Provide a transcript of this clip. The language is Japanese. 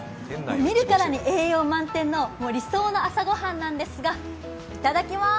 見るからに栄養満点の理想の朝御飯なんですがいただきまーす。